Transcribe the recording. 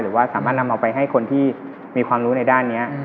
หรือว่าสามารถนำเอาไปให้คนที่มีความรู้ในด้านนี้